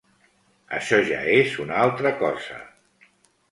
Això ja és una altra cosa.